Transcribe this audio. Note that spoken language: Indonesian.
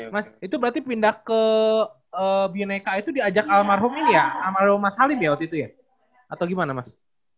mas itu berarti pindah ke bineka itu diajak almarhum ini ya sama mas halim ya waktu itu ya atau gimana mas